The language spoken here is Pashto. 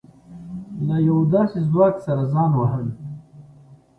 له يوه داسې ځواک سره ځان وهل.